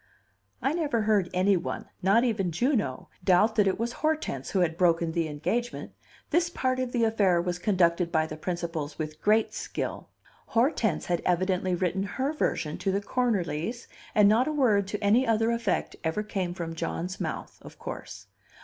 I never heard any one, not even Juno, doubt that it was Hortense who had broken the engagement; this part of the affair was conducted by the principals with great skill. Hortense had evidently written her version to the Cornerlys, and not a word to any other effect ever came from John's mouth, of course.